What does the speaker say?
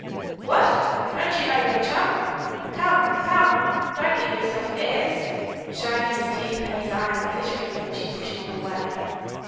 "What! don't you know your chum? Come, come; don't give yourself airs," showing his teeth and his eyes glittering when she pushed him away.